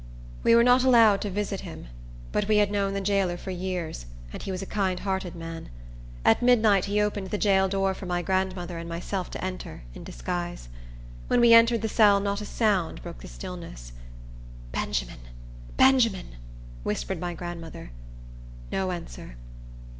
We were not allowed to visit him; but we had known the jailer for years, and he was a kind hearted man. At midnight he opened the jail door for my grandmother and myself to enter, in disguise. When we entered the cell not a sound broke the stillness. "Benjamin, Benjamin!" whispered my grandmother. No answer.